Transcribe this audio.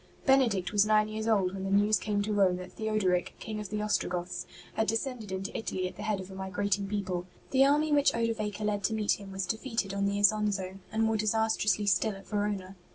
Benedict was nine vears old when the news ST. BENEDICT 25 came to Rome that Theodoric, King of the Ostrogoths, had descended into Italy at the head of a migrating people. The army which Odovaker led to meet him was defeated on the Isonzo, and more disastrously still at Verona.